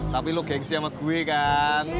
tapi lo gengsi sama gue kan